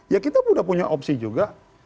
ya kita sudah punya opsi juga